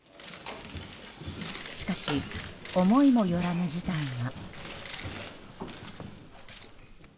しかし思いもよらぬ事態が。